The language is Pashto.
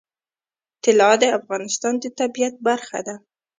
طلا د افغانستان د طبیعت برخه ده.